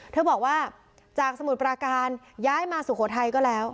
เธอบอกว่าจากสมุทรปราการย้ายมาสุโขทัยก็แล้ว